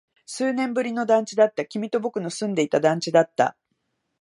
数年ぶりの団地だった。君と僕の住んでいた団地だった。